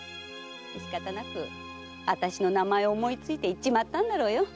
仕方なくあたしの名前を思いついて言っちまったんだろ。